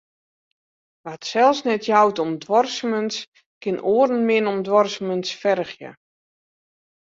Wa't sels net jout om duorsumens, kin oaren min op duorsumens fergje.